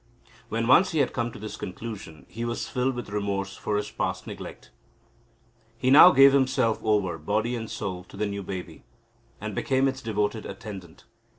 When once he had come to this conclusion, he was filled with remorse for his past neglect. He now gave himself over, body and soul, to the new baby, and became its devoted attendant.